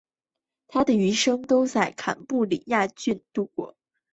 他的余生都在坎布里亚郡度过。